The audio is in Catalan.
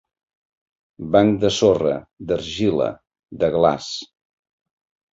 Banc de sorra, d'argila, de glaç.